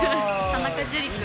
田中樹君。